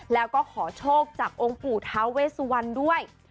แล้วก็ขอโชคจากองค์ปู่ท้าเวสวันด้วย